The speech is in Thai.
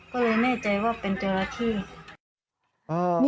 ก็เลยแน่ใจว่าเป็นจราเข้